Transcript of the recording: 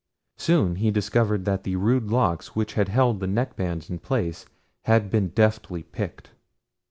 Soon he discovered that the rude locks which had held the neckbands in place had been deftly picked.